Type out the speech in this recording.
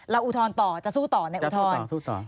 อุทธรณ์ต่อจะสู้ต่อในอุทธรณ์